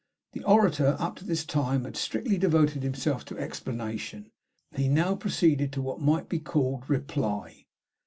The orator up to this time had strictly devoted himself to explanation; he now proceeded to what might be called reply.